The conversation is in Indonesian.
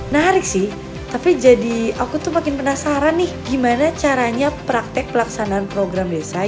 menarik sih tapi jadi aku tuh makin penasaran nih gimana caranya praktek pelaksanaan program desa